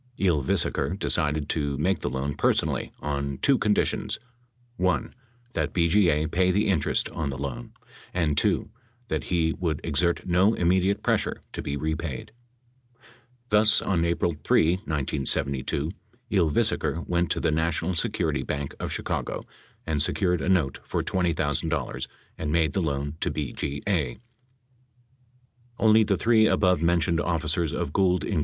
Ylvisaker decided to make the loan personally on two conditions: (1) That BGA pay the interest on the loan; and (2) that he would exert no immediate pressure to be repaid. Thus, on April 3, 1972, Ylvisaker went to the National Security Bank of Chicago and secured a note for $20,000 and made the loan to BGA. Only the three above mentioned officers of Gould, Inc.